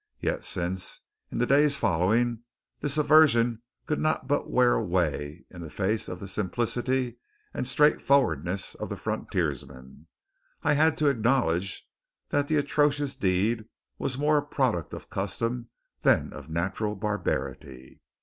Yet, since, in the days following, this aversion could not but wear away in face of the simplicity and straightforwardness of the frontiersmen, I had to acknowledge that the atrocious deed was more a product of custom than of natural barbarity.